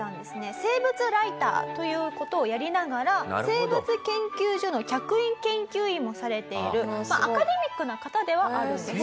生物ライターという事をやりながら生物研究所の客員研究員もされているアカデミックな方ではあるんです。